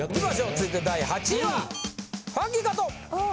続いて第８位は！